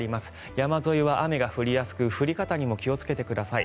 山沿いは雨が降りやすく降り方にも気をつけてください。